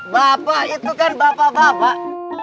bapak itu kan bapak bapak